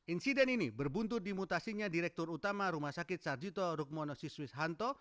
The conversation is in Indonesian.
insiden ini berbuntut di mutasinya direktur utama rumah sakit sarjito rukmono siswishanto